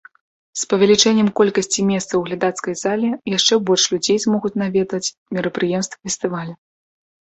З павелічэннем колькасці месцаў у глядацкай зале яшчэ больш людзей змогуць наведаць мерапрыемствы фестываля.